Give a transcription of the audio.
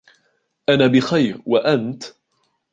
أنا بخير و أنت؟